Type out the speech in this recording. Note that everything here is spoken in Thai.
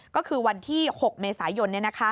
ก็คือวันที่๖เมษายน